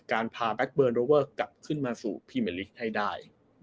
การพาแบคเบอร์โรเวอร์กลับขึ้นมาสู่พรีเมอร์ลิชให้ได้